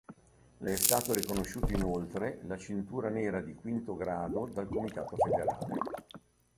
Le è stato riconosciuto inoltre la cintura nera di quinto grado dal comitato federale.